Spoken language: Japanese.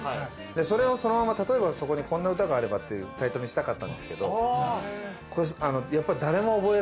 でそれをそのまま「たとえばそこにこんな歌があれば」ってタイトルにしたかったんですけど。